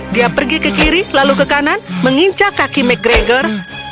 dia pergi ke kiri lalu ke kanan menginca kaki mcgregor